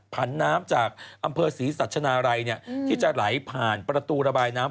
ผันน้ำจากอำเภอศรีสัชนาลัยที่จะไหลผ่านประตูระบายน้ำ